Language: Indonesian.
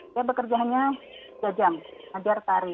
dia bekerja hanya tiga jam ajar tari